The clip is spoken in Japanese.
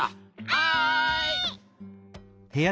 はい！